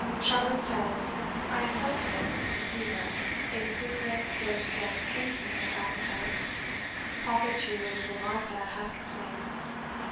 Charlotte says, "I have felt it (the fever) in frequent thirst and infrequent appetite; Papa too, and even Martha, have complained."